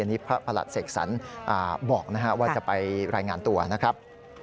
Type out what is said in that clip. นี่พระประหลัดเสกสรรบอกว่าจะไปรายงานตัวนะครับ